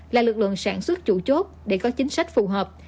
là lực lượng sản xuất chủ chốt để có chính sách phù hợp